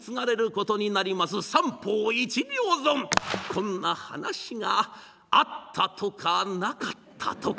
こんな話があったとかなかったとか。